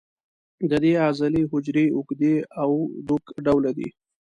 د دې عضلې حجرې اوږدې او دوک ډوله دي.